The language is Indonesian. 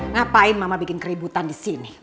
ngapain mama bikin keributan di sini